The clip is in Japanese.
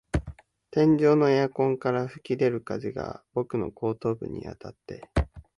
天井のエアコンから吹き出る風が僕の後頭部にあたって、